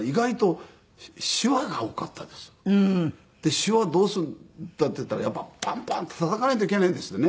「シワどうするんだ？」って言ったらパンパンッてたたかないといけないんですってね。